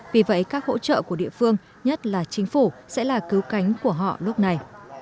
vì vậy các hỗ trợ của địa phương nhất là chính phủ sẽ là cứu cánh của họ lúc này